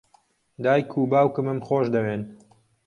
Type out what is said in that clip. دایک و باوکمم خۆش دەوێن.